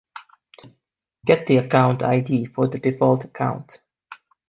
Get the account id for the default account